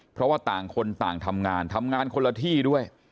เพราะว่าต่างคนต่างทำงานทำงานคนละที่ด้วย